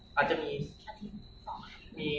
ก็จะมี